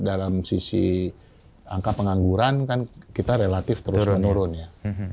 dalam sisi angka pengangguran kan kita relatif terus menurun ya